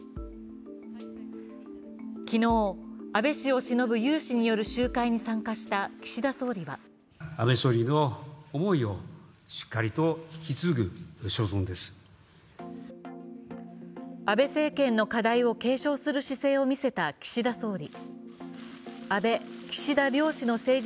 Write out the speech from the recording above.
昨日、安倍氏をしのぶ有志による集会に参加した岸田総理は安倍政権の課題を継承する姿勢を見せた岸田総理。